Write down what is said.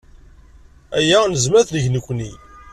Aya nezmer ad t-neg nekkni.